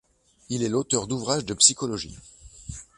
Il est l'auteur d'ouvrages de psychologie.